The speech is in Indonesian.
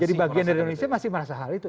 jadi bagian dari indonesia masih merasa hal itu